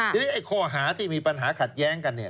ทีนี้ไอ้ข้อหาที่มีปัญหาขัดแย้งกันเนี่ย